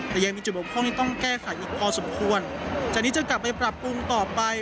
แต่ยังมีจุดบกพร่องที่ต้องแก้ไขอีกพอสมควรจากนี้จะกลับไปปรับปรุงต่อไป